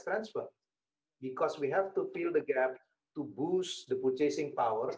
yang tinggi dan tinggi untuk menghabiskan uang